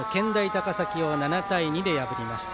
高崎を７対２で破りました。